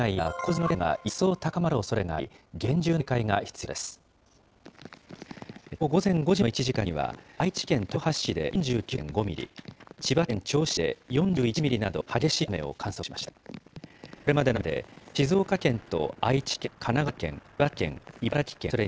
きょう午前５時までの１時間には、愛知県豊橋市で４９．５ミリ、千葉県銚子市で４１ミリなど、激しい雨を観測しました。